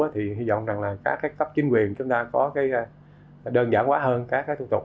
thì hy vọng là các cấp chính quyền chúng ta có cái đơn giản quá hơn các cái thủ tục